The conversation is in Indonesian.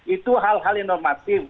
itu hal hal yang normatif